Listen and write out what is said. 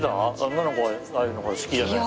女の子はああいうの好きじゃない？